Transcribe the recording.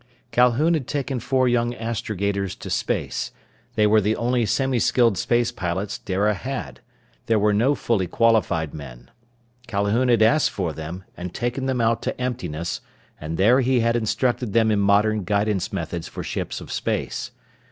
Calhoun had taken four young astrogators to space. They were the only semiskilled space pilots Dara had. There were no fully qualified men. Calhoun had asked for them, and taken them out to emptiness, and there he had instructed them in modern guidance methods for ships of space.